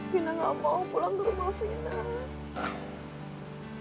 vina gak mau pulang ke rumah vina